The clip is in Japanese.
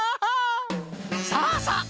さあさあ